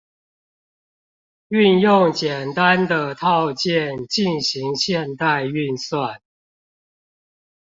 運用簡單的套件進行現代運算